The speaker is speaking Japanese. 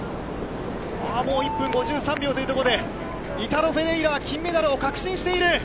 もう１分５３秒というところで、イタロ・フェレイラは金メダルを確信している。